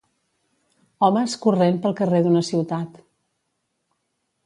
Homes corrent pel carrer d'una ciutat.